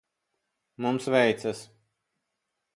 Mums veicas.